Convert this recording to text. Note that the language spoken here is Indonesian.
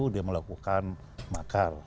dia melakukan makar